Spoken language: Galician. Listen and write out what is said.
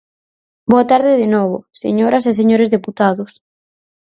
Boa tarde de novo, señoras e señores deputados.